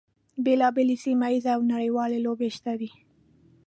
بیلا بېلې سیمه ییزې او نړیوالې لوبې شته دي.